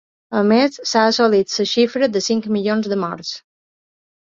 A més, s’ha assolit la xifra de cinc milions de morts.